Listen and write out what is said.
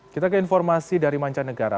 kita ke informasi dari mancanegara